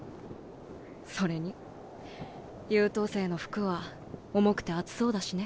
それに優等生の服は重くて厚そうだしね。